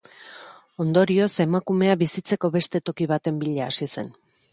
Ondorioz emakumea bizitzeko beste toki baten bila hasi zen.